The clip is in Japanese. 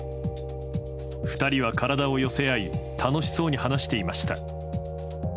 ２人は体を寄せ合い楽しそうに話していました。